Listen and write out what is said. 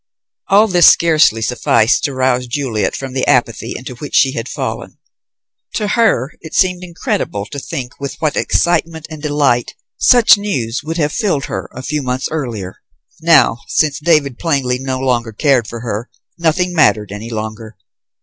All this scarcely sufficed to rouse Juliet from the apathy into which she had fallen. To her it seemed incredible to think with what excitement and delight such news would have filled her a few months earlier. Now, since David plainly no longer cared for her, nothing mattered any longer.